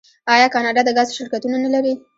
آیا کاناډا د ګاز شرکتونه نلري؟